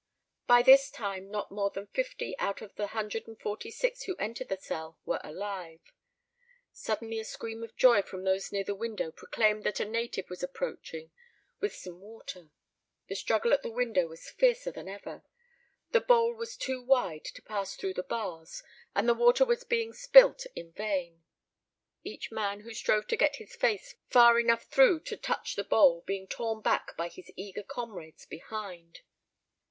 By this time not more than fifty out of the hundred and forty six who entered the cell were alive. Suddenly a scream of joy from those near the window proclaimed that a native was approaching with some water. The struggle at the window was fiercer than ever. The bowl was too wide to pass through the bars, and the water was being spilt in vain; each man who strove to get his face far enough through to touch the bowl being torn back by his eager comrades behind.